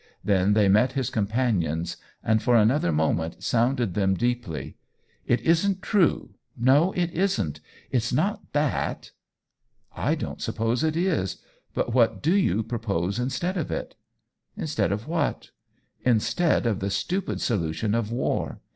Then they met his companion's, and for another moment sounded them deeply. " It isn't true — no, it isn't. It's not that P' " I don't suppose it is ! But what do you propose instead of it?" " Instead of what ?" "Instead of the stupid solution of war.